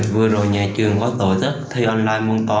vừa rồi nhà trường có tổ chức thi online môn toán